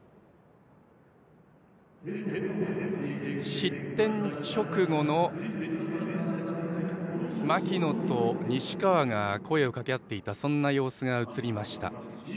失点直後の槙野と西川が声をかけ合っていたそんな様子が映りました。